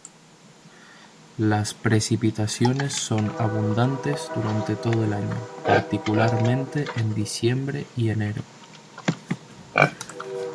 Las precipitaciones son abundantes durante todo el año, particularmente en diciembre y enero.